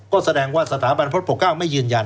ก็แสดงว่าสถาบันพระปกเก้าไม่ยืนยัน